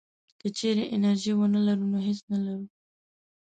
که چېرې انرژي ونه لرو نو هېڅ نه لرو.